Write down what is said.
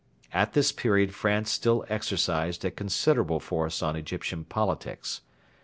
At this period France still exercised a considerable force on Egyptian politics.